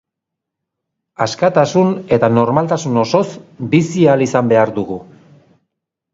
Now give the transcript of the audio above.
Askatasun eta normaltasun osoz bizi ahal izan behar dugu.